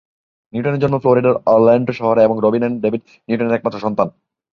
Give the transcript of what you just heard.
নিউটনের জন্ম ফ্লোরিডার অরল্যান্ডো শহরে এবং রবিন এবং ডেভিড নিউটনের একমাত্র সন্তান।